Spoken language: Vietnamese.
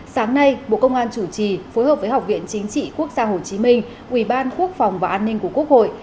sáng nay bộ công an chủ trì phối hợp với học viện chính trị quốc gia hồ chí minh ủy ban quốc phòng và an ninh của quốc hội